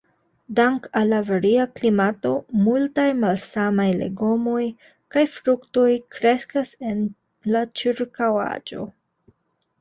Dank' al la varia klimato, multaj malsamaj legomoj kaj fruktoj kreskas en la ĉirkaŭaĵo.